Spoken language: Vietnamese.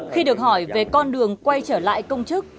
khi được hỏi về con đường quay trở lại công chức